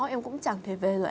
em cũng chẳng thể về rồi